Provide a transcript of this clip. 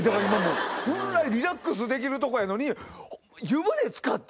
本来リラックスできるとこやのに。